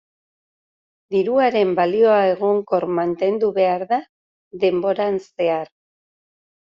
Diruaren balioa egonkor mantendu behar da denboran zehar.